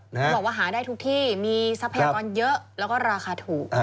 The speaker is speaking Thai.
เขาบอกว่าหาได้ทุกที่มีทรัพยากรเยอะแล้วก็ราคาถูก